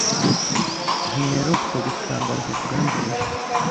ntiheruka gutangaza ubwandu bushya